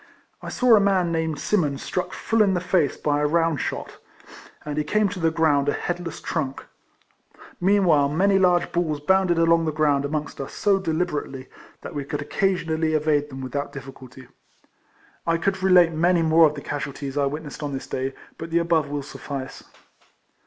I saw a man named Symmonds struck full in the face by a round shot, and he came to the ground a headless trunk. Meanwhile, many large balls bounded along the ground amongst us so deliberately that we could RIFLEMAN HARRIS. 43 occasionally evade them without difficulty. I could relate many more of the casualties I witnessed on this day, but the above will suffice.